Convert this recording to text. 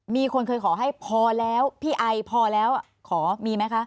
มีคนเคยขอให้พอแล้วพี่ไอพอแล้วขอมีไหมคะ